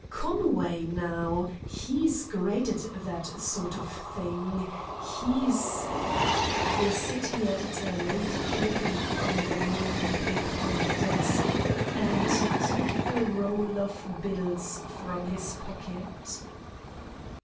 "Conway, now, he's great at that sort of thing. He's " The city editor laid a clipping from the morning paper on the desk, and took a roll of bills from his pocket.